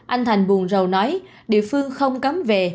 anh thành buồn rầu nói địa phương không cấm về